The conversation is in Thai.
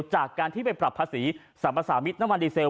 จากการที่ไปปรับภาษีสรรพสามิตรน้ำมันดีเซล